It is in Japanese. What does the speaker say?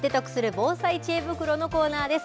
防災知恵袋のコーナーです。